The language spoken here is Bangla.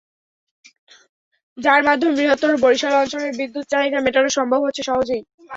যার মাধ্যমে বৃহত্তর বরিশাল অঞ্চলের বিদ্যুৎ চাহিদা মেটানো সম্ভব হচ্ছে সহজেই।